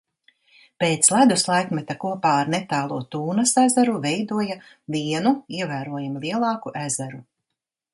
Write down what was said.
Pēc ledus laikmeta kopā ar netālo Tūnas ezeru veidoja vienu, ievērojami lielāku ezeru.